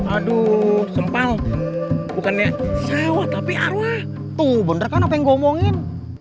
aduh sempal bukannya sawah tapi arwah tuh bener kan apa yang gua omongin